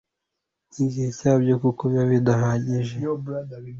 igihe cyabyo kuko biba bidahagije